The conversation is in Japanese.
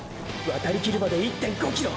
渡りきるまで１．５キロ！！